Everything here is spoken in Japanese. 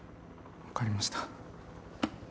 わかりました。